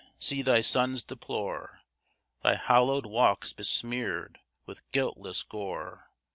see thy sons deplore Thy hallowed walks besmear'd with guiltless gore.